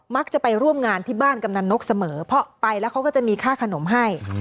จะไปร่วมงานที่บ้านกำนันนกเสมอเพราะไปแล้วเขาก็จะมีค่าขนมให้